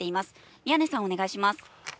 宮根さん、お願いします。